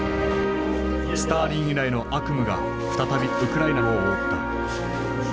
スターリン以来の悪夢が再びウクライナを覆った。